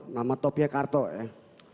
nama topnya kartok